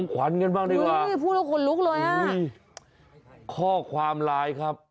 ขวัญกันบ้างดีกว่านี่พูดแล้วขนลุกเลยอ่ะข้อความไลน์ครับ